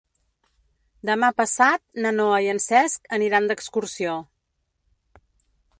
Demà passat na Noa i en Cesc aniran d'excursió.